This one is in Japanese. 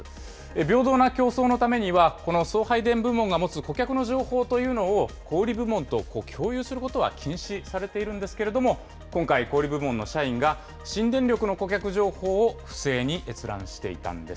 平等な競争のためには、この送配電部門が持つ顧客の情報というのを、小売り部門と共有することは禁止されているんですけれども、今回、小売り部門の社員が新電力の顧客情報を不正に閲覧していたんです。